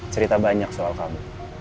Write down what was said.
cerita banyak soal kamu